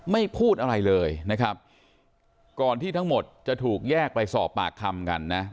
ไม่พูดอะไรเลยนะครับก่อนที่ทั้งหมดจะถูกแยกไปสอบปากคำกันนะ